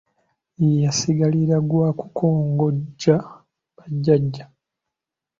Yasigalira gw’akukongojja bajjaja.